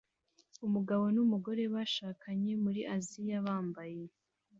Umugabo n'umugore bashakanye muri Aziya bambaye